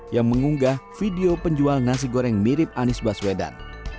yang mengunggah video penjual nasi goreng mirip anies baswedan